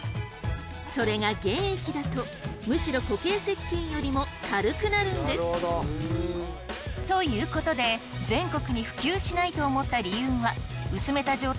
それが原液だとむしろ固形石けんよりも軽くなるんです。ということで全国に普及しないと思った理由は薄めた状態だと重くてかさばり